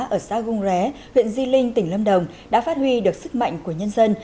ở sa gung ré huyện di linh tỉnh lâm đồng đã phát huy được sức mạnh của nhân dân